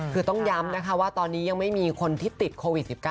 คือต้องย้ำนะคะว่าตอนนี้ยังไม่มีคนที่ติดโควิด๑๙